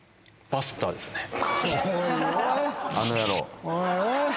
あの野郎